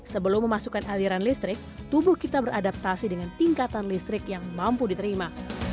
sebelum memasukkan aliran listrik tubuh kita beradaptasi dengan tingkatan listrik yang mampu diterima